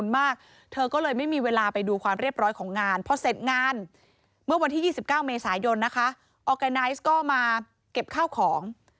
เมื่อวันที่๒๙เมษายนออร์แกนไนซ์ก็มาเก็บข้าวของ